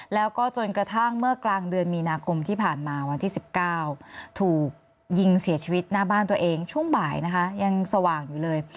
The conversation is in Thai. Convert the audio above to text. แล้วก็จนกระทั่งเมื่อกลางเดือนมีนาคมที่ผ่านมาวันที่๑๙ถูกยิงเสียชีวิตหน้าบ้านตัวเองช่วงบ่ายนะคะยังสว่างอยู่เลย